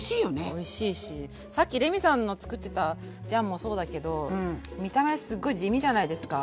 おいしいしさっきレミさんの作ってたジャンもそうだけど見た目すごい地味じゃないですか。